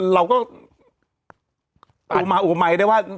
เรามาอุ้มไหมที่ว่า